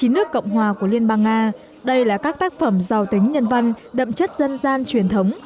chín nước cộng hòa của liên bang nga đây là các tác phẩm giàu tính nhân văn đậm chất dân gian truyền thống